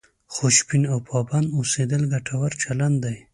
خوشبین او پابند اوسېدل ګټور چلند دی.